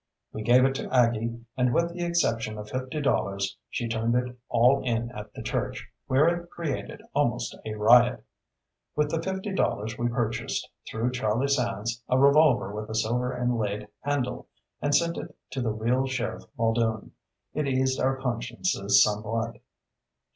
We gave it to Aggie, and with the exception of fifty dollars she turned it all in at the church, where it created almost a riot. With the fifty dollars we purchased, through Charlie Sands, a revolver with a silver inlaid handle, and sent it to the real Sheriff Muldoon. It eased our consciences somewhat.